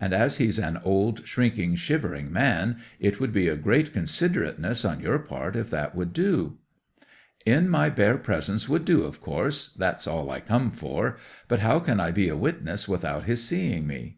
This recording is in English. As he's such an old, shrinking, shivering man, it would be a great considerateness on your part if that would do?" '"In my bare presence would do, of course—that's all I come for. But how can I be a witness without his seeing me?"